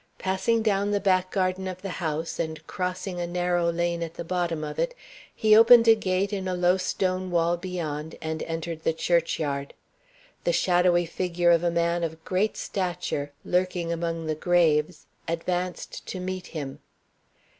Passing down the back garden of the house, and crossing a narrow lane at the bottom of it, he opened a gate in a low stone wall beyond, and entered the church yard. The shadowy figure of a man of great stature, lurking among the graves, advanced to meet him.